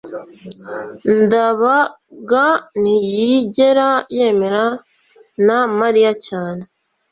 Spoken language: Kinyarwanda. ndabaga ntiyigera yemera na mariya cyane